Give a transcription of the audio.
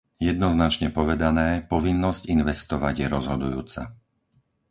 Jednoznačne povedané, povinnosť investovať je rozhodujúca.